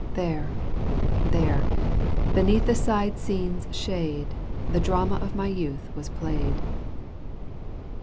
There, there, beneath the side scene's shade The drama of my youth was played.